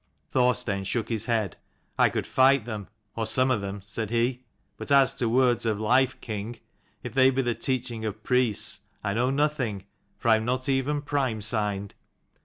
Thorstein shook his head. " I could fight them, or some of them," said he. "But as to words of life, king, if they be the teaching of priests, I know nothing, for I am not even prime signed."